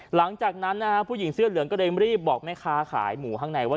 หลังจากนั้นนะฮะผู้หญิงเสื้อเหลืองก็เลยรีบบอกแม่ค้าขายหมูข้างในว่า